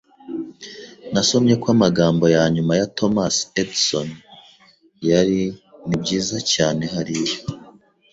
Nasomye ko amagambo ya nyuma ya Thomas Edison yari "Nibyiza cyane hariya."